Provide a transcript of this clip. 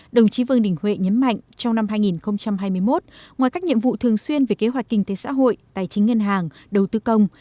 đồng chí vương đình huệ nhấn mạnh trong năm hai nghìn hai mươi một ngoài các nhiệm vụ thường xuyên về kế hoạch kinh tế xã hội tài chính ngân hàng đầu tư công